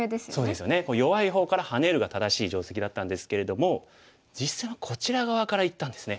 弱い方からハネるが正しい定石だったんですけれども実戦はこちら側からいったんですね。